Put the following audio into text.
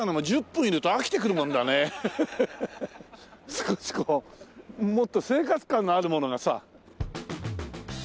少しこうもっと生活感のあるものがさ。